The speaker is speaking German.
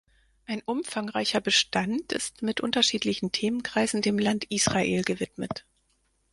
Ein umfangreicher Bestand ist mit unterschiedlichen Themenkreisen dem Land Israel gewidmet.